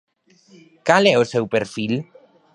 Cal é o seu perfil?